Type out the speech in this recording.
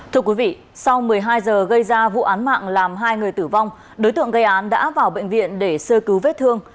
thưa quý vị sau một mươi hai giờ gây ra vụ án mạng làm hai người tử vong đối tượng gây án đã vào bệnh viện để sơ cứu vết thương